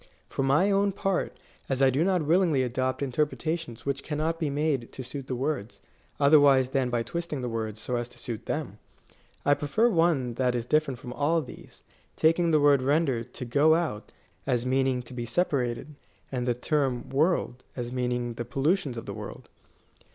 For my own part, as I do not willingly adopt interpreta tions which cannot be made to suit the words, otherwise than by twisting the words so as to suit them, I prefer one that is different from all these, taking the word rendered to go out as meaning to be separated, and the term world as mean ing ifAe pollutions of the world.